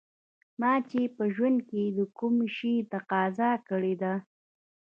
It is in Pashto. ما چې په ژوند کې د کوم شي تقاضا کړې ده